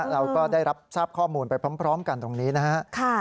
เราก็ได้รับทราบข้อมูลไปพร้อมกันตรงนี้นะครับ